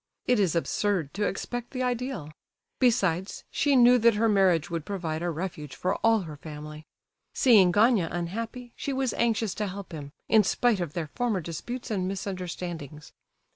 It is absurd to expect the ideal! Besides, she knew that her marriage would provide a refuge for all her family. Seeing Gania unhappy, she was anxious to help him, in spite of their former disputes and misunderstandings.